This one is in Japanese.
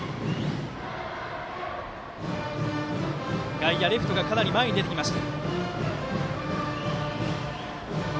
外野、レフトがかなり前に出てきました。